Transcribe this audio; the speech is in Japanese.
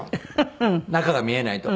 中が見えないと。